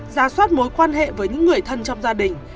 ra soát mối quan hệ với những người thân trong gia đình